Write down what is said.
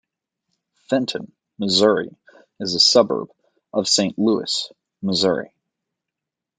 Fenton, Missouri is a suburb of Saint Louis, Missouri.